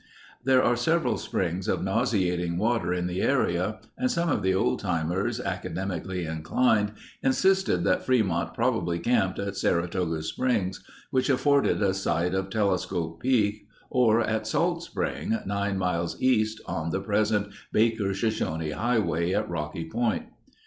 There are several springs of nauseating water in the area and some of the old timers academically inclined, insisted that Fremont probably camped at Saratoga Springs, which afforded a sight of Telescope Peak or at Salt Spring, nine miles east on the present Baker Shoshone Highway at Rocky Point.